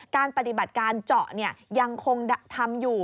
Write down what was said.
การปฏิบัติการเจาะยังคงทำอยู่